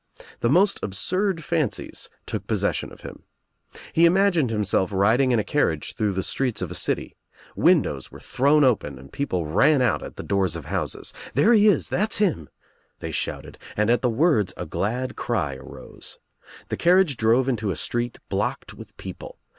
The most absurd fancies took possession of him. He imagined himself riding in a carriage through the streets of a city. Windows were thrown open and people ran out at the doors of houses. "There he is. That's him," THE OTHER 35 they shouted, and at the words a glad cry arose. The carriage drove into a street blocked with people.